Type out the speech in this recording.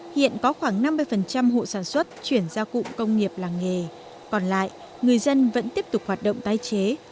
hiện có khoảng năm mươi hộ sản xuất chuyển ra cụm công nghiệp làng nghề còn lại người dân vẫn tiếp tục hoạt động tái chế